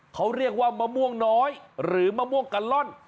เขาเรียกว่ามะม่วงน้อยหรือมะม่วงกะล่อน